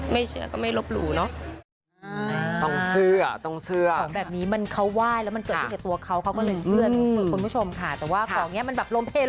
เชื่อก็ไม่ลบหลู่เนอะ